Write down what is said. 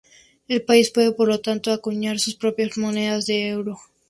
El país puede, por lo tanto, acuñar sus propias monedas de euro.